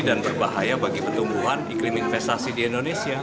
dan berbahaya bagi pertumbuhan iklim investasi di indonesia